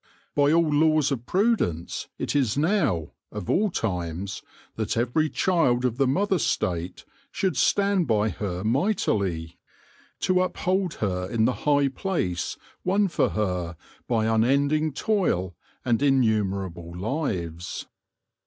By all laws of prudence it is now, of all times, that every child of the Mother State 122 THE LORE OF THE HONEY BEE should stand by her mightily, to uphold her in the high place won for her by unending toil and in numerable lives.